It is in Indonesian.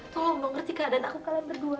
tolong gak ngerti keadaan aku kalian berdua